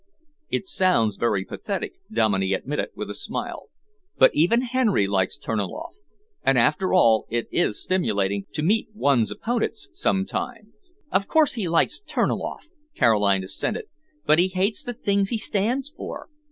"It sounds very pathetic," Dominey admitted, with a smile, "but even Henry likes Terniloff, and after all it is stimulating to meet one's opponents sometimes." "Of course he likes Terniloff," Caroline assented, "but he hates the things he stands for.